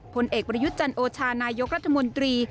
ผลเอกประยุทธ์จันโอชานายกรัฐมนตรี